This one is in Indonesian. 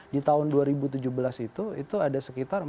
di tahun dua ribu tujuh belas itu ada sekitar empat ratus delapan puluh delapan